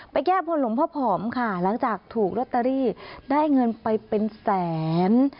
แก้บนหลวงพ่อผอมค่ะหลังจากถูกลอตเตอรี่ได้เงินไปเป็นแสน